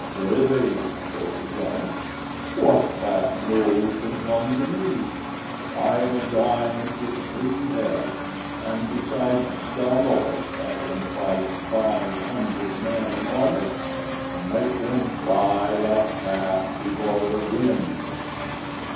"Prithee," quoth the giant, "what bad news can come to me? I am a giant with three heads, and besides thou knowest I can fight five hundred men in armor, and make them fly like chaff before the wind."